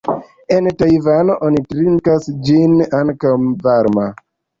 En Tajvano oni trinkas ĝin ankaŭ varma.